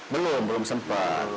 belum belum sempet